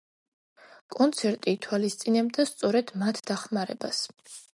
კონცერტი ითვალისწინებდა სწორედ მათ დახმარებას.